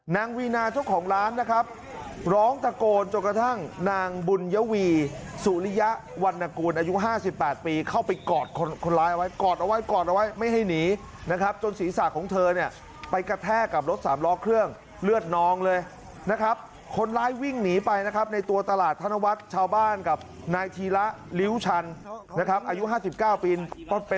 วีนาเจ้าของร้านนะครับร้องตะโกนจนกระทั่งนางบุญยวีสุริยะวันนกูลอายุ๕๘ปีเข้าไปกอดคนร้ายไว้กอดเอาไว้กอดเอาไว้ไม่ให้หนีนะครับจนศีรษะของเธอเนี่ยไปกระแทกกับรถสามล้อเครื่องเลือดนองเลยนะครับคนร้ายวิ่งหนีไปนะครับในตัวตลาดธนวัฒน์ชาวบ้านกับนายธีระลิ้วชันนะครับอายุ๕๙ปี